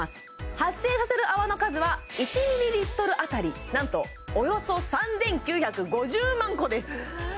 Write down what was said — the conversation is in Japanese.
発生させる泡の数は１ミリリットルあたりなんとおよそ３９５０万個です